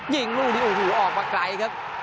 ยิ่งรู้ที่อู่อู่ออกมาไกลครับ